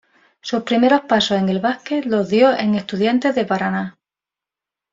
Sus primeros pasos en el básquet los dio en Estudiantes de Paraná.